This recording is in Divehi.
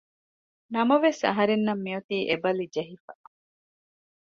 ނަމަވެސް އަހަރެންނަށް މި އޮތީ އެ ބަލި ޖެހިފަ